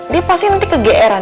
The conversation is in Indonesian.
dia pasti nanti kegeeran